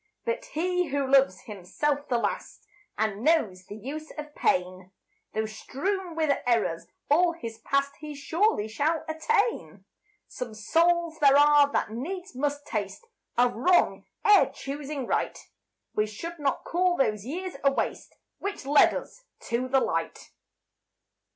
But he who loves himself the last And knows the use of pain, Though strewn with errors all his past, He surely shall attain. Some souls there are that needs must taste Of wrong, ere choosing right; We should not call those years a waste Which led us to the light.